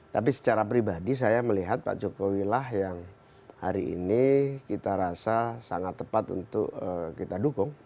tapi secara pribadi saya melihat pak jokowi lah yang hari ini kita rasa sangat tepat untuk kita dukung